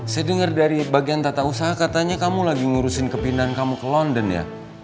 saya dengar dari bagian tata usaha katanya kamu lagi ngurusin kepindahan kamu ke london ya